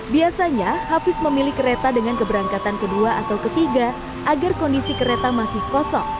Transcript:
biasanya hafiz memilih kereta dengan keberangkatan ke dua atau ke tiga agar kondisi kereta masih kosong